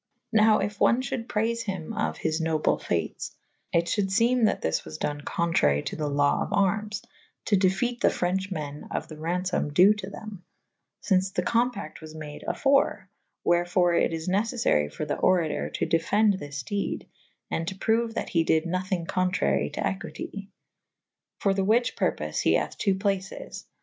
Nowe yf one fhulde prayfe hym of his noble faytes / it shulde seme that this was done contrary to the lawe of armes / to defayt the frenche men of the raunfom due to the;« / fyns the compacte was made afore, wherfore it is neceffary for the oratour to defende this dede / and to proue that he dyd nothyng contrary to equitie. For Me whiche purpofe he hathe two places.